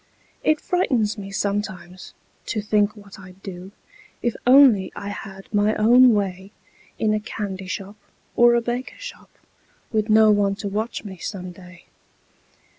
It frightens me sometimes, to think what I'd do, If only I had my own way In a candy shop or a baker shop, Witn no one to watch me, some day.